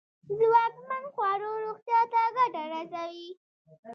ځواکمن خواړه روغتیا ته گټه رسوي.